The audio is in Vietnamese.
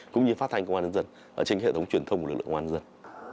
cũng như phát thanh công an nhân dân trên hệ thống truyền thông của lực lượng công an dân